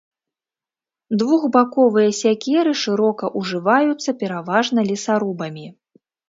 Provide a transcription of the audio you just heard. Двухбаковыя сякеры шырока ўжываюцца пераважна лесарубамі.